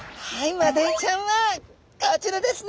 マダイちゃんはこちらですね！